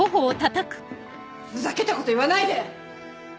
ふざけたこと言わないで！